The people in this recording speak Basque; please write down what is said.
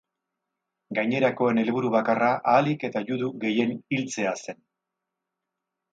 Gainerakoen helburu bakarra ahalik eta judu gehien hiltzea zen.